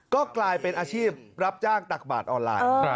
ก็กลายเป็นอาชีพรับจ้างตักบาทออนไลน์